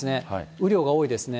雨量が多いですね。